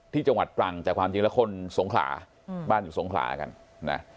ที่จังหวัดดรังจากจริงแล้วคนสงขลาอืมบ้านอยู่สงขลากันนะ